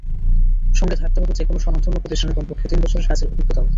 সঙ্গে থাকতে হবে যেকোনো স্বনামধন্য প্রতিষ্ঠানে কমপক্ষে তিন বছরের কাজের অভিজ্ঞতাও।